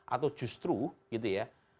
atau justru gitu ya